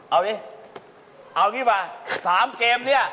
เอาสิเอานี่มา๓เกมเนี่ย